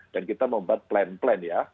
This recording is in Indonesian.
jadi kita membuat plan plan ya